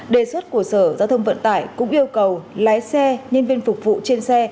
đề xuất của sở giao thông vận tải cũng yêu cầu lái xe nhân viên phục vụ trên xe